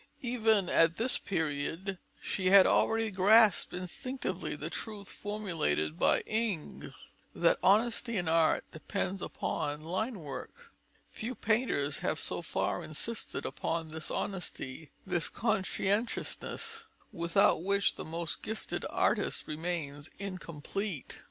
Even at this period she had already grasped instinctively the truth formulated by Ingres, that "honesty in art depends upon line work." Few painters have so far insisted upon this honesty, this conscientiousness, without which the most gifted artist remains incomplete.